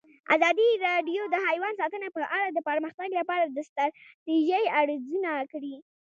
ازادي راډیو د حیوان ساتنه په اړه د پرمختګ لپاره د ستراتیژۍ ارزونه کړې.